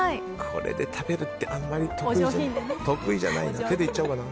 これで食べるってあんまり得意じゃないな。